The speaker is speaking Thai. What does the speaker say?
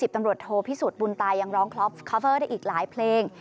ตำรวจโทพิสุทธิ์บุญตายังร้องคลอฟคอฟเวอร์ได้อีกหลายเพลง